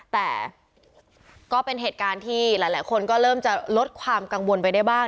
แต่ก็เป็นเหตุการณ์ที่หลายคนก็เริ่มจะลดความกังวลไปได้บ้าง